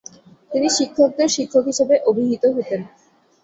তিনি 'শিক্ষকদের শিক্ষক' হিসেবে অভিহিত হতেন।